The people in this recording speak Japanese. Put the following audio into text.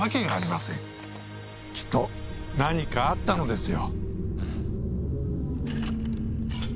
きっと何かあったのですよ。